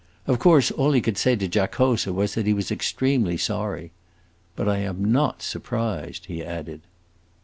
Of course all he could say to Giacosa was that he was extremely sorry. "But I am not surprised," he added.